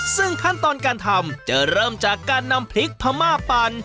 ซึ่งขั้นตอนการทำจะเริ่มจากการนำพริกพม่าปั่น